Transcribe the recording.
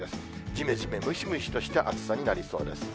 じめじめムシムシとした暑さになりそうです。